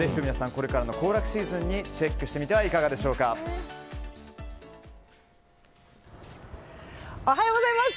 これからの行楽シーズンにチェックしてみてはおはようございます。